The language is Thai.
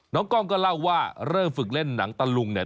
กล้องก็เล่าว่าเริ่มฝึกเล่นหนังตะลุงเนี่ย